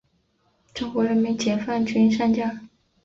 中国人民解放军上将。